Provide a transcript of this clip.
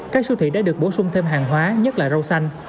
các siêu thị đã được bổ sung thêm hàng hóa nhất là rau xanh